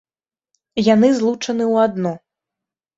Яны злучаны ў адно.